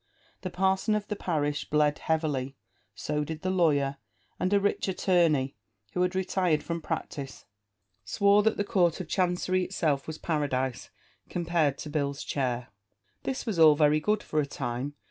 The parson of the parish bled heavily; so did the lawyer; and a rich attorney, who had retired from practice, swore that the Court of Chancery itself was paradise compared to Bill's chair. This was all very good for a time.